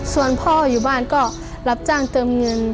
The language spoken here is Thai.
ส่วนพ่ออยู่บ้านก็รับจ้างเติมเงิน